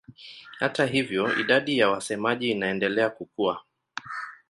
Hata hivyo idadi ya wasemaji inaendelea kukua.